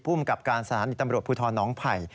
ภูมิกับการสถานีตำรวจภูทรน้องไผ่